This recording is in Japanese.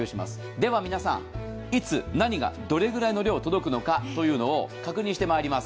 では、皆さん、いつ、何が、どのくらい届くのかを確認してまいります。